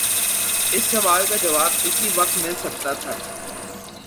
اس سوال کا جواب اسی وقت مل سکتا ہے۔